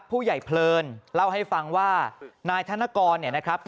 เพลินเล่าให้ฟังว่านายธนกรเนี่ยนะครับ